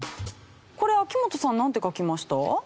これ秋元さんなんて書きました？